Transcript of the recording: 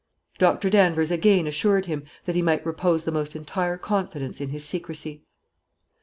Doctor Danvers again assured him that he might repose the most entire confidence in his secrecy.